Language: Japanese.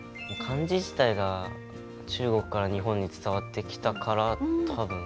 漢字自体が中国から日本に伝わってきたから多分。